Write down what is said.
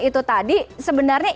itu tadi sebenarnya